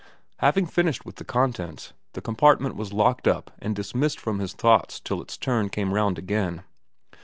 Having finished with the contents, the compartment was locked up and dismissed from his thoughts till its turn came round again.